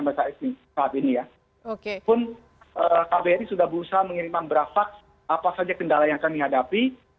walaupun kbri sudah berusaha mengirimkan berapa apa saja kendala yang kami hadapi